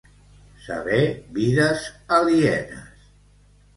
Saber vides alienes.